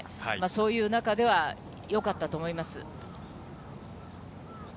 そういう中では、よかったと思います。